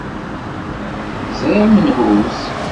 Ẓriɣ menhu-t.